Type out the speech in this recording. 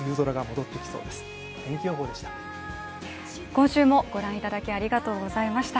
今週もご覧いただきありがとうございました。